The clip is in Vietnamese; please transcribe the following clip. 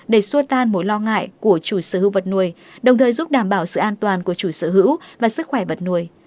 để xua tan mối lo ngại của chủ sở hữu vật nuôi đồng thời giúp đảm bảo sự an toàn của chủ sở hữu và sức khỏe vật nuôi